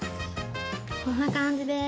こんな感じです。